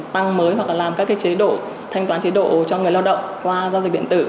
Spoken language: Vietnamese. tăng mới hoặc là làm các chế độ thanh toán chế độ cho người lao động qua giao dịch điện tử